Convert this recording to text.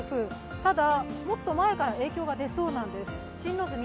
ただ、もっと前から影響が出そうなんです。